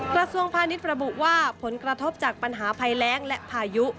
กระทรวงพาณิชย์ระบุว่าผลกระทบจากปัญหาภัยแรงและพายุ